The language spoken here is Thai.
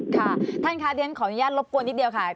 ค่ะท่านคะเรียนขออนุญาตรบกวนนิดเดียวค่ะ